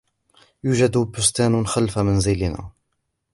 يوجد بستان خلف منزلنا.